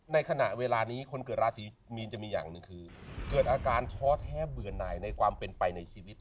ในขณะเวลานี้คนเกิดราศีมีนจะมีอย่างหนึ่งคือเกิดอาการท้อแท้เบื่อหน่ายในความเป็นไปในชีวิต